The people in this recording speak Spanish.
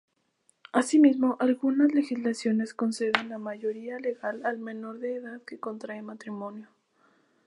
Asimismo, algunas legislaciones conceden la mayoría legal al menor de edad que contrae matrimonio.